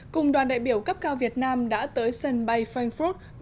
cùng đoàn đại biểu cấp cao việt nam đã tới sân bay frankfurt